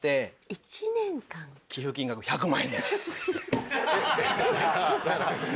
寄付金額１００万円です。